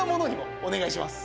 お願いします！